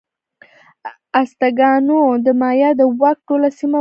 ازتکانو د مایا د واک ټوله سیمه ونیوله.